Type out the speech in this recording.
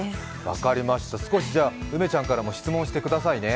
分かりました、少し梅ちゃんからも質問してくださいね。